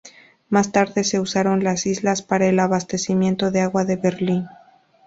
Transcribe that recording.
Más tarde se usaron las islas para el abastecimiento de agua de Berlín.